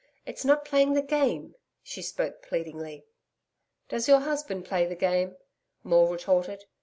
It's not playing the game.' She spoke pleadingly. 'Does your husband play the game?' Maule retorted.